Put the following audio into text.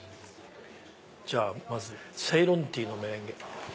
じゃあまずセイロンティーのメレンゲ。